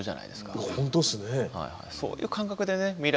そういう感覚でね未来